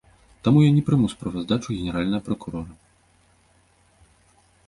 Таму я не прыму справаздачу генеральнага пракурора.